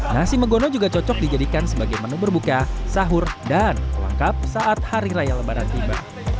nasi megono juga cocok dijadikan sebagai menu berbuka sahur dan pelengkap saat hari raya lebaran tiba